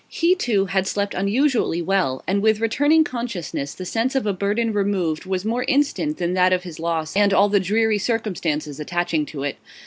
He too had slept unusually well, and with returning consciousness the sense of a burden removed was more instant than that of his loss and all the dreary circumstances attaching to it.